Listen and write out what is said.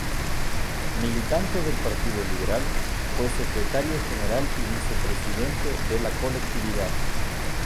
Militante del Partido Liberal, fue secretario general y vicepresidente de la colectividad.